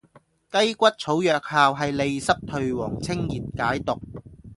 雞骨草藥效係利濕退黃清熱解毒